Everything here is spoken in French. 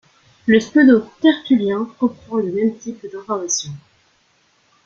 Le pseudo-Tertullien reprend le même type d'informations.